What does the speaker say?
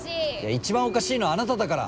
一番おかしいのはあなただから！